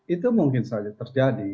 itu mungkin saja terjadi